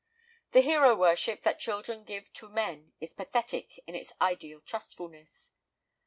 The hero worship that children give to men is pathetic in its ideal trustfulness.